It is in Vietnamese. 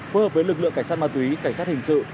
phối hợp với lực lượng cảnh sát ma túy cảnh sát hình sự